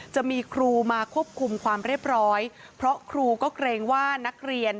จะมีครูมาควบคุมความเรียบร้อยเพราะครูก็เกรงว่านักเรียน